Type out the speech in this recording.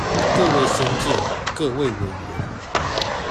各位先進、各位委員